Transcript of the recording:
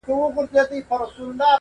!شپېلۍ-